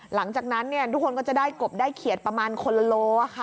หลังจากนั้นทุกคนก็จะได้กบได้เขียดประมาณคนละโล